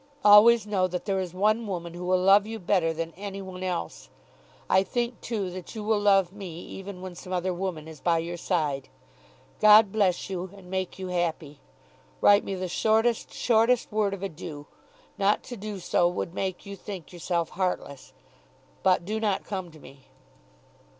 Always know that there is one woman who will love you better than any one else. I think too that you will love me even when some other woman is by your side. God bless you, and make you happy. Write me the shortest, shortest word of adieu. Not to do so would make you think yourself heartless. But do not come to me.